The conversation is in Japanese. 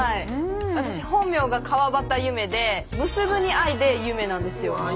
私本名が川端結愛で結ぶに愛で「ゆめ」なんですよ。